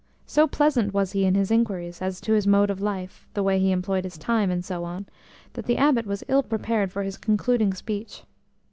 So pleasant was he in his inquiries as to his mode of life, the way he employed his time, and so on, that the Abbot was ill prepared for his concluding speech.